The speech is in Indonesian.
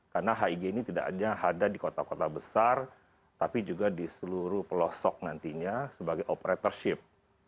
karena hig ini tidak hanya ada di kota kota besar tapi juga di seluruh pelosok nantinya sebagai operatorship